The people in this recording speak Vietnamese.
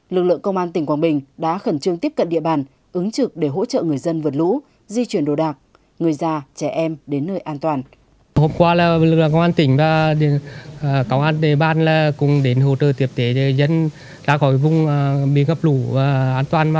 lực lượng công an tỉnh quảng bình đã khẩn trương tiếp cận địa bàn ứng trực để hỗ trợ người dân vượt lũ di chuyển đồ đạc người già trẻ em đến nơi an toàn